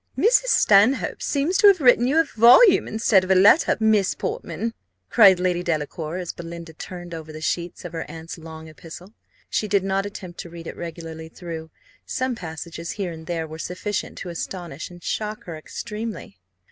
"Mrs. Stanhope seems to have written you a volume instead of a letter, Miss Portman," cried Lady Delacour, as Belinda turned over the sheets of her aunt's long epistle. She did not attempt to read it regularly through: some passages here and there were sufficient to astonish and shock her extremely.